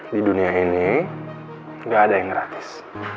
di dunia ini nggak ada yang gratis